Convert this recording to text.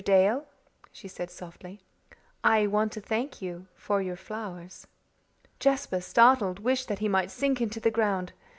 Dale," she said softly, "I want to thank you for your flowers." Jasper, startled, wished that he might sink into the ground.